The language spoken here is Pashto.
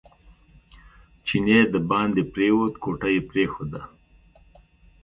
چینی دباندې پرېوت کوټه یې پرېښوده.